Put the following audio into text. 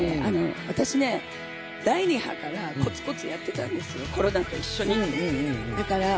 私ね、第２波からコツコツやっていたんですよ、コロナと一緒に。